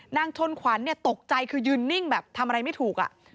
ชนขวัญตกใจคือยืนนิ่งแบบทำอะไรไม่ถูก